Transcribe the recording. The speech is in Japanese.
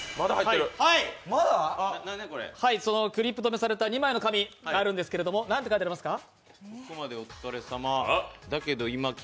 クリップ留めされた２枚の紙があるんですけど、何が書いてありますか？